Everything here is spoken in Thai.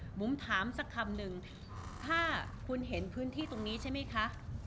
บุ๋มถามสักคำหนึ่งถ้าคุณเห็นพื้นที่ตรงนี้ใช่ไหมคะ